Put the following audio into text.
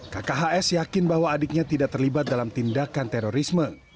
kakak hs yakin bahwa adiknya tidak terlibat dalam tindakan terorisme